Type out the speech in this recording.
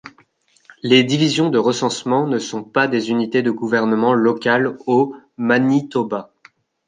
Les divisions de recensement ne sont pas des unités de gouvernement local au Manitoba.